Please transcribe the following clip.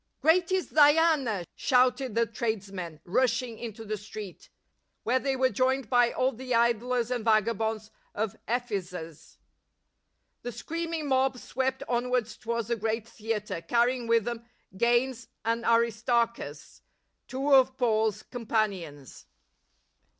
" Great is Diana !" shouted the tradesmen, rushing into the street, \vhere they were joined by aU the idlers and vagabonds of Ephesus. The screaming mob swept onwards towards the great theatre, carrying with them Gains and Aristarchus, two of Paul's companions.